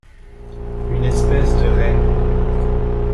Une espèce de reine.